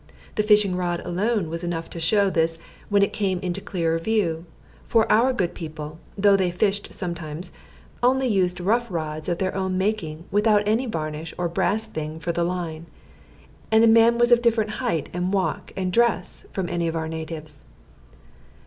The fishing rod alone was enough to show this when it came into clearer view; for our good people, though they fished sometimes, only used rough rods of their own making, without any varnish or brass thing for the line. And the man was of different height and walk and dress from any of our natives.